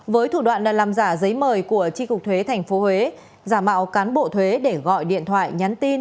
với thủ đoạn làm giả giấy mời của tri cục thuế tp huế giả mạo cán bộ thuế để gọi điện thoại nhắn tin